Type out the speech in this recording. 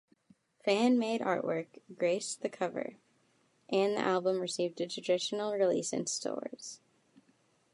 Fan-made artwork graced the cover, and the album received a traditional release in stores.